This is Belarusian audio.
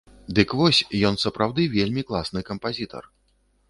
Дык вось, ён сапраўды вельмі класны кампазітар.